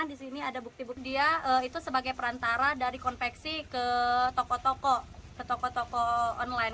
di sini ada bukti buktinya itu sebagai perantara dari konveksi ke toko toko online